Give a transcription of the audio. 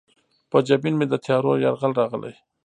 په جبین مې د تیارو یرغل راغلی